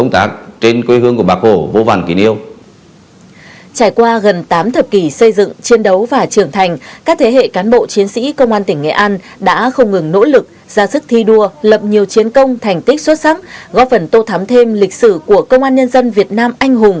trải qua gần tám thập kỷ xây dựng chiến đấu và trưởng thành các thế hệ cán bộ chiến sĩ công an tỉnh nghệ an đã không ngừng nỗ lực ra sức thi đua lập nhiều chiến công thành tích xuất sắc góp phần tô thám thêm lịch sử của công an nhân dân việt nam anh hùng